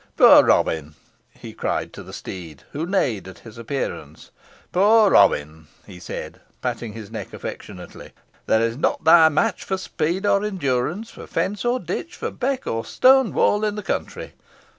"Poor Robin," he cried to the steed, who neighed at his approach. "Poor Robin," he said, patting his neck affectionately, "there is not thy match for speed or endurance, for fence or ditch, for beck or stone wall, in the country.